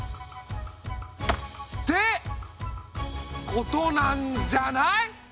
ってことなんじゃない？